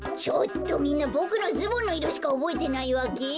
みんなボクのズボンのいろしかおぼえてないわけ！？